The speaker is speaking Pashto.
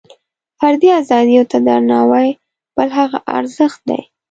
فردي ازادیو ته درناوۍ بل هغه ارزښت دی.